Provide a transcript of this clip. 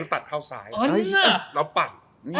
ตัดเข้าซ้ายแล้วปั่น